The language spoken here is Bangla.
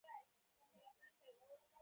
বামে বিস্তীর্ণ নিম্নভূমি ছিল।